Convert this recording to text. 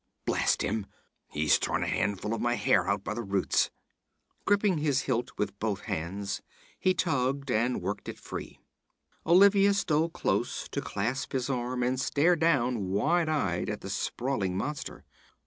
Blast him, he's torn a handful of my hair out by the roots.' Gripping his hilt with both hands he tugged and worked it free. Olivia stole close to clasp his arm and stare down wide eyed at the sprawling monster.